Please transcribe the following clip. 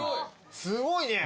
すごいね！